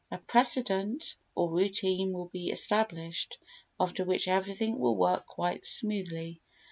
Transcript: A precedent or routine will be established, after which everything will work quite smoothly.